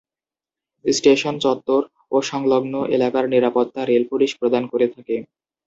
Station চত্বর ও সংলগ্ন এলাকার নিরাপত্তা রেল পুলিশ প্রদান করে থাকে।